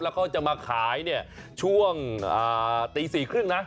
แล้วเขาจะมาขายเนี่ยช่วงตี๔๓๐นะ